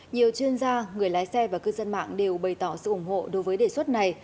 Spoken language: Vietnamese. nhiều chuyên gia người lái xe và cư dân mạng đều bày tỏ sự ủng hộ đối với đề xuất này